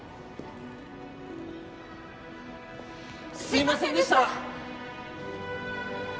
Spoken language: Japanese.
すいませんでした！